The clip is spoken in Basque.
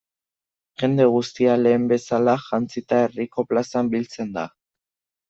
Jende guztia lehen bezala jantzita herriko plazan biltzen da.